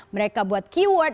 mereka buat keyword